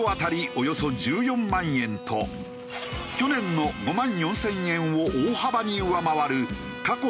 およそ１４万円と去年の５万４０００円を大幅に上回る過去最高値を記録。